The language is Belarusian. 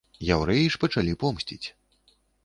Яўрэі ж пачалі помсціць.